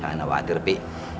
jangan khawatir pi